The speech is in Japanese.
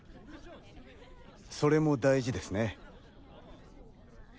それも大事ですね。